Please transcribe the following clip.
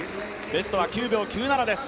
ベストは９秒９７です。